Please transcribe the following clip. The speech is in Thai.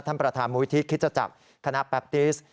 ท่านประธานมูลทิตย์คริสตจักรคณะแปปติทธ์